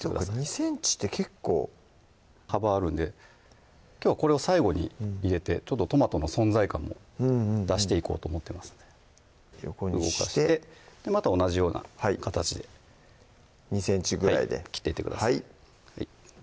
２ｃｍって結構幅あるんできょうはこれを最後に入れてトマトの存在感も出していこうと思ってますので横にして動かしてまた同じような形で２ｃｍぐらいで切っていってください